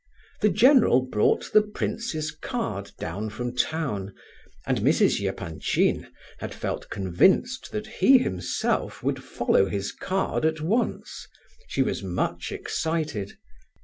The general brought the prince's card down from town, and Mrs. Epanchin had felt convinced that he himself would follow his card at once; she was much excited.